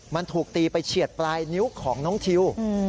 มันถูกตีไปเฉียดปลายนิ้วของน้องทิว